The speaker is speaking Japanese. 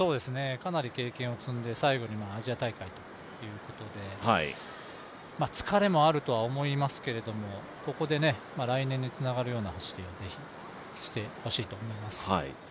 かなり経験を積んで、最後にはアジア大会ということで疲れもあるとは思いますけれどもここで来年につながるような走りをぜひしてほしいと思います。